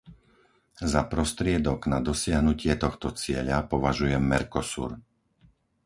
Za prostriedok na dosiahnutie tohto cieľa považujem Mercosur.